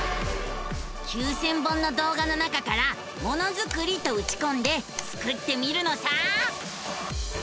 ９，０００本の動画の中から「ものづくり」とうちこんでスクってみるのさ！